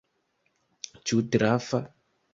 Ĉu trafa?